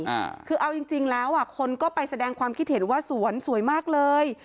อ่าคือเอาจริงจริงแล้วอ่ะคนก็ไปแสดงความคิดเห็นว่าสวนสวยมากเลย